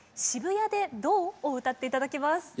「渋谷でどう？」を歌っていただきます。